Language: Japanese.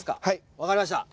分かりました。